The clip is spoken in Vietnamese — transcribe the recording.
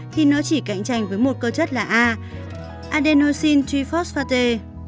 thì nó chỉ cạnh tranh với một cơ chất là a adenosine g phosphate